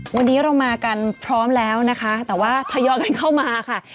วันนี้เรามากันพร้อมแล้วนะคะแต่ว่าทยอยกันเข้ามาค่ะ